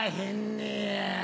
ねや。